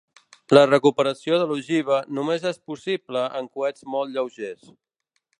La recuperació de l'ogiva només és possible en coets molt lleugers.